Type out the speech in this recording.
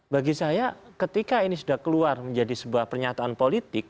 bagi saya ketika ini sudah keluar menjadi sebuah pernyataan politik